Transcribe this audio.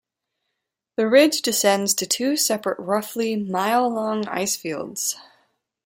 The ridge descends to two separate roughly mile-long icefields.